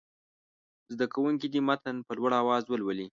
زده کوونکي دې متن په لوړ اواز ولولي.